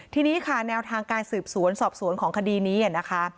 ทีนี้ค่ะแนวทางการสืบสวนสอบสวนของคดีนี้นะคะ